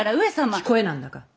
聞こえなんだか？